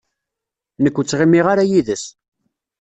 Nekk ur ttɣimiɣ ara yid-s.